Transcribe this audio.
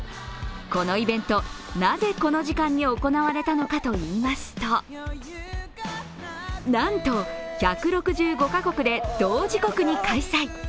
このイベント、なぜこの時間に行われたのかといいますとなんと１６５カ国で同時刻に開催。